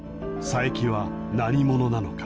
佐伯は何者なのか。